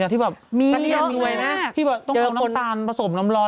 มีนะมันเกินเวลามากต้องเอาน้ำตาลประสบน้ำร่อน